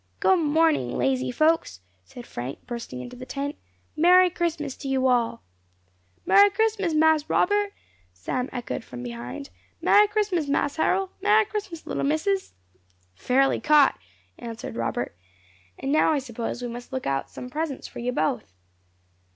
"Good morning, lazy folks!" said Frank, bursting into the tent. "Merry Christmas to you all!" "Merry Christmas, Mas Robbut!" Sam echoed from behind, "Merry Christmas, Mas Harrol! Merry Christmas, little Missus!" "Fairly caught!" answered Robert; "and now, I suppose, we must look out some presents for you both."